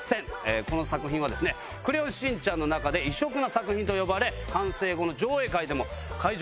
この作品はですね『クレヨンしんちゃん』の中で異色な作品と呼ばれえーっ！